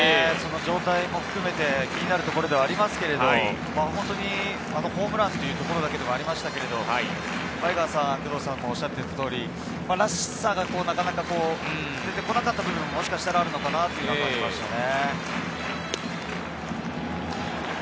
状況も含めて気になるところではありますが、ホームランというところもありましたけど、江川さん、工藤さんも言っていた通り、らしさがなかなか出てこなかった部分ももしかしたらあるのかなという感じがしましたね。